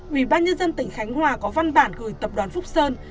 ủy ban nhân dân tỉnh khánh hòa có văn bản gửi tập đoàn phúc sơn